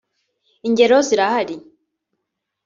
Ingero zirahari